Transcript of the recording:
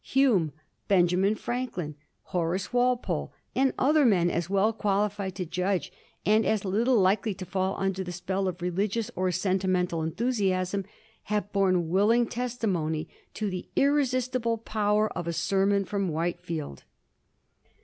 Hume, Benjamin Franklin, Horace Walpole, and other men as well qualified to judge, and as little likely to fall under the spell of religious or sentimental enthusiasm, have borne willing testimony to the irresistible power of a sermon from Whitefield.